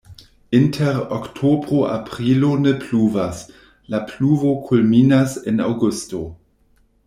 Inter oktobro-aprilo ne pluvas, la pluvo kulminas en aŭgusto.